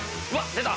出た！